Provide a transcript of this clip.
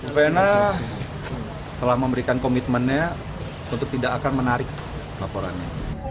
vena telah memberikan komitmennya untuk tidak akan menarik laporannya